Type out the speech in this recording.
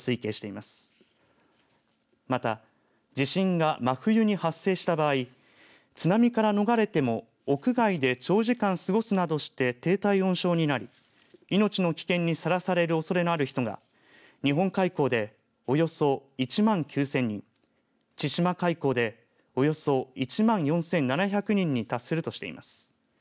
また、地震が真冬に発生した場合津波から逃れても屋外で長時間過ごすなどして低体温症になり命の危険にさらされるおそれのある人が日本海溝でおよそ１万９０００人千島海溝でおよそ１万４７００人に達するとしています。